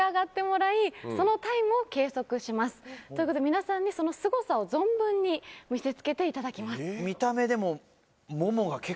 皆さんにそのすごさを存分に見せつけていただきます。